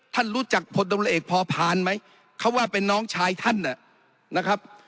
ท่านรู้จักพลตำรวจเอกพอพานไหมเขาว่าเป็นน้องชายท่านนะครับ